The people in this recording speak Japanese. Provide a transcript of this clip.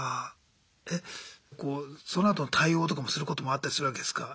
えこうそのあとの対応とかもすることもあったりするわけですか？